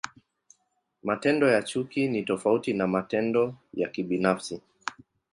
Matendo ya chuki ni tofauti na matendo ya kibinafsi.